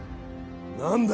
何だ